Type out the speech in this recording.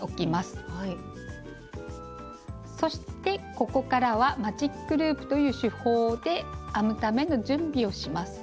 そしてここからは「マジックループ」という手法で編むための準備をします。